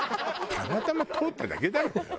たまたま通っただけだろうよ。